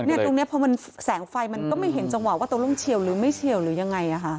ตรงนี้พอมันแสงไฟมันก็ไม่เห็นจังหวะว่าตกลงเฉียวหรือไม่เฉียวหรือยังไง